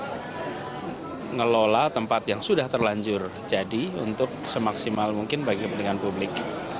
untuk mengelola tempat yang sudah terlanjur jadi untuk semaksimal mungkin bagi kepentingan publik